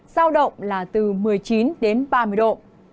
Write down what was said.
giao động là từ một mươi chín đến ba mươi độ